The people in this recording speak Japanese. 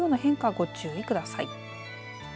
ご注意ください。